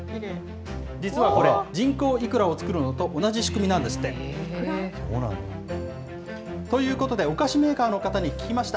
実はこれ、人工イクラを作るのと同じ仕組みなんですって。ということで、お菓子メーカーの方に聞きました。